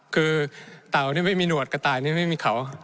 คือเต่านี่ไม่มีหนวดกระต่ายนี่ไม่มีเขา